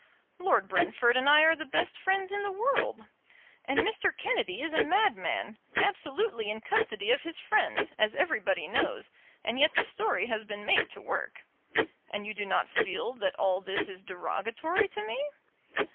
"Lord Brentford and I are the best friends in the world." "And Mr. Kennedy is a madman, absolutely in custody of his friends, as everybody knows; and yet the story has been made to work." "And you do not feel that all this is derogatory to me?"